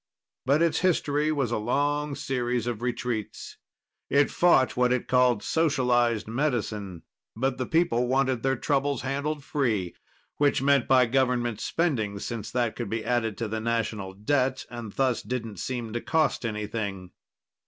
But its history was a long series of retreats. It fought what it called socialized medicine. But the people wanted their troubles handled free which meant by government spending, since that could be added to the national debt, and thus didn't seem to cost anything.